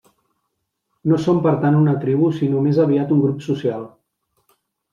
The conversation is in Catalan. No són per tant una tribu sinó més aviat un grup social.